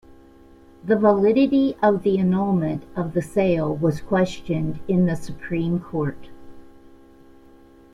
The validity of the annulment of the sale was questioned in the Supreme Court.